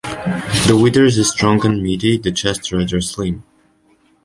The withers is strong and meaty, the chest rather slim.